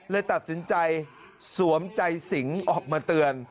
เลยตัดสินใจสวมใจสิงออกมาเตือน